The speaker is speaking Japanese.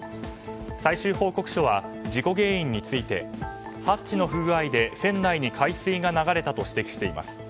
最終報告書は事故原因についてハッチの不具合で船内に海水が流れたと指摘しています。